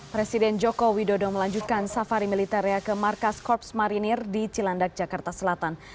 presiden joko widodo melanjutkan safari militernya ke markas korps marinir di cilandak jakarta selatan